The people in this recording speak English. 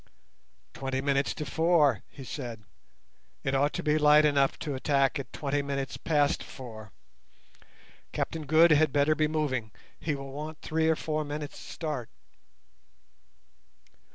"Twenty minutes to four," he said, "it ought to be light enough to attack at twenty minutes past four. Captain Good had better be moving, he will want three or four minutes' start."